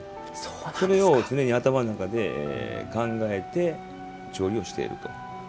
それを常に頭の中で考えて調理をしていると。